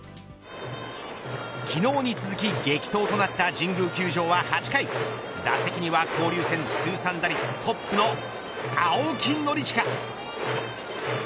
昨日に続き激闘となった神宮球場は８回打席には交流戦通算打率トップの青木宣親。